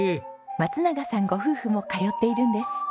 松永さんご夫婦も通っているんです。